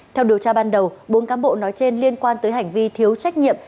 theo điều tra ban đầu bốn cán bộ nói trên liên quan tới hành vi thiếu trách nhiệm